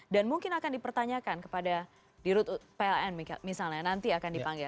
dan mungkin akan dipertanyakan kepada di route pln misalnya nanti akan dipanggil